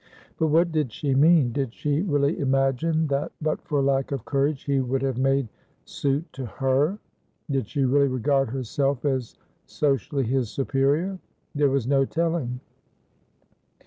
But what did she mean? Did she really imagine that, but for lack of courage, he would have made suit to her? Did she really regard herself as socially his superior? There was no telling.